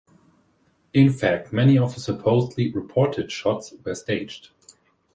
In fact, many of the supposedly 'reportage' shots were staged.